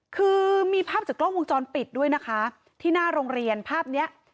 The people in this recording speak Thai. คือมีภาพจากกล้องวงจรปิดด้วยนะคะที่หน้าโรงเรียนภาพเนี้ย